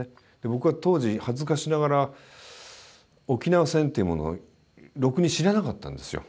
僕は当時恥ずかしながら「沖縄戦」っていうものをろくに知らなかったんですよ